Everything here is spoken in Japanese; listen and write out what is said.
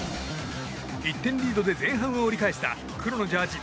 １点リードで前半を折り返した黒のジャージー